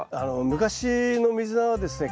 昔のミズナはですね